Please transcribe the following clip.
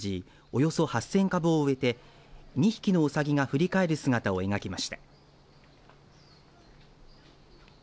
およそ８０００株を植えて２匹のうさぎが振り返る姿を描きました。